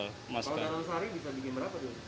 kalau dalam sehari bisa bikin berapa dulu